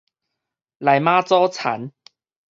內媽祖田